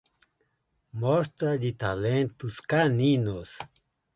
Mostra de talentos caninos